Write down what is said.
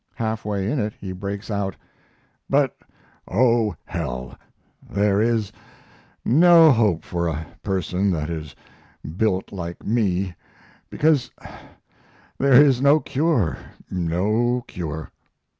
Half way in it he breaks out: But oh, hell, there is no hope for a person that is built like me, because there is no cure, no cure.